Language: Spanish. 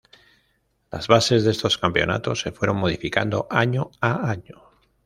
Las bases de estos campeonatos se fueron modificando año a año.